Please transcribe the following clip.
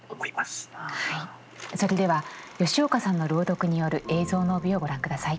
それでは吉岡さんの朗読による「映像の帯」をご覧ください。